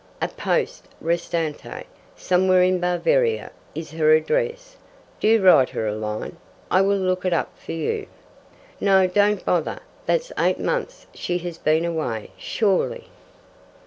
"A poste restante somewhere in Bavaria is her address. Do write her a line. I will look it up for you." "No, don't bother. That's eight months she has been away, surely?"